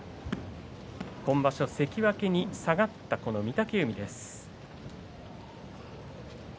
今場所、関脇に下がった御嶽海です。